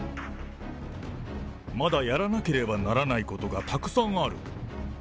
まだやらなければならないことがたくさんある。